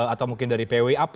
atau mungkin dari pwi